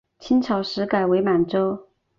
清朝时改为满洲。